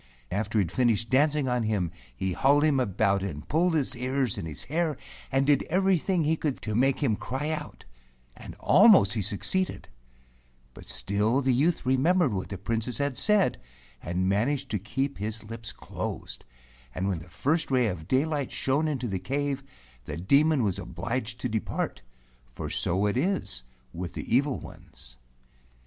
After he had finished dancing on him, he hauled him about and pulled his ears and his hair, and did everything he could to make him cry out, and almost he succeeded; but still the youth remembered what the Princess had said and managed to keep his lips closed, and when the first ray of daylight shone into the cave, the Demon was obliged to depart, for so it is with the evil ones.